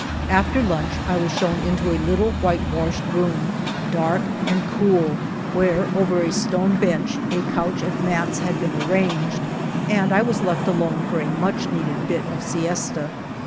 After lunch I was shown into a little whitewashed room, dark and cool, i68 > j^ El Toboso where over a stone bench a couch of mats had been arranged, and I was left alone for a much needed bit of siesta.